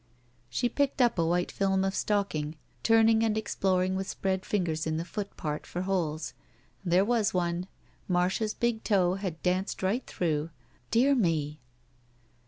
She picked up a white film of stocking, turning and exploring with spread fingers in the foot part for holes. There was one! Marcia's big toe had danced right through. "Dear me!"